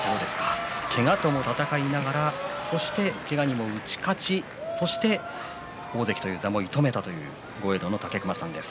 けがとも闘いながらそしてけがにも打ち勝ち、そして大関という座を射止めたという豪栄道の武隈さんです。